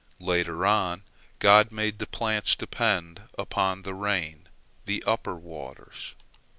Later on God made the plants dependent upon the rain, the upper waters.